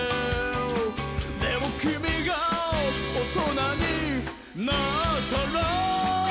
「でもきみがおとなになったら」